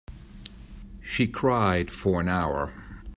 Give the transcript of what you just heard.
She cried for an hour.